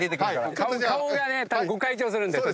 顔がねご開帳するんで。